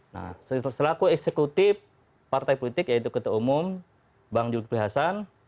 nah selaku eksekutif partai politik yaitu ketua umum bang zulkifli hasan